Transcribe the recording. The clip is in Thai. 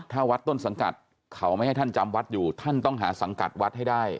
ถ้าวัดต้นสังกัดเขาไม่ให้ท่านจำวัดอยู่ท่านต้องหาสังกัดวัดให้ได้